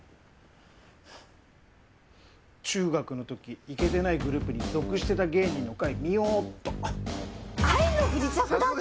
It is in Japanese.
中学の時イケてないグループに属してた芸人の回見ようっと。